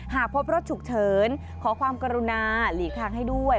หากพบรถฉุกเฉินขอความกรุณาหลีกทางให้ด้วย